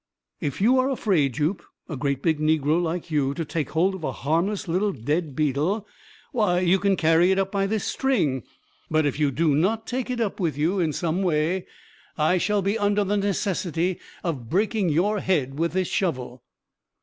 "If you are afraid, Jup, a great big negro like you, to take hold of a harmless little dead beetle, why you can carry it up by this string but, if you do not take it up with you in some way, I shall be under the necessity of breaking your head with this shovel."